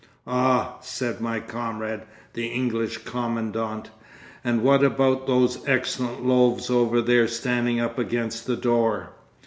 "Ah!" said my comrade, the English commandant, "and what about those excellent loaves over there standing up against the door?"